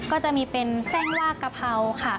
ก็จะมีเป็นเส้นลากกะเพราค่ะ